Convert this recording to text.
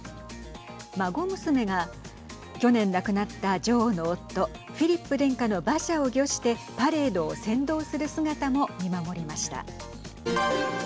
孫娘が去年亡くなった女王の夫フィリップ殿下の馬車を御してパレードを先導する姿も見守りました。